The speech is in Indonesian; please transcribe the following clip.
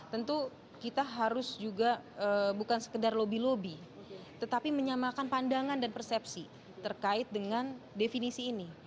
tentu kita harus juga bukan sekedar lobby lobby tetapi menyamakan pandangan dan persepsi terkait dengan definisi ini